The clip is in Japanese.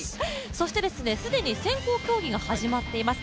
そして既に先行競技が始まっています。